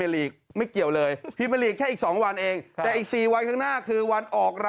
เลขที่ออก